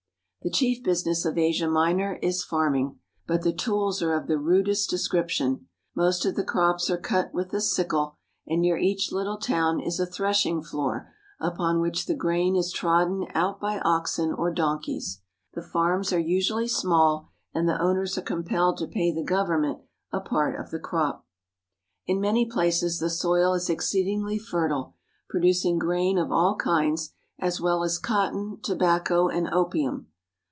The chief business of Asia Minor is farming, but the tools are of the rudest description. Most of the crops are cut with the sickle, and near each Httle town is a threshing floor upon which the grain is trod den out by oxen or don keys. The farms are usually small, and the owners are compelled to pay the government a part of the crop In many places the soil is exceedingly fer tile, producing grain of all kinds, as well as cot ton, tobacco, and opium.